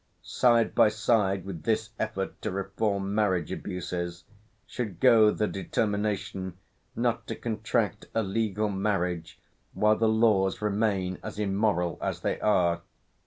Side by side with this effort to reform marriage abuses, should go the determination not to contract a legal marriage while the laws remain as immoral as they are.